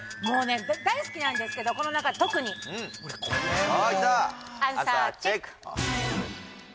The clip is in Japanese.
もうね大好きなんですけどこの中特にアンサーチェック！